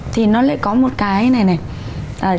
thì nó lại có một cái này này